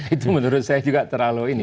itu menurut saya juga terlalu ini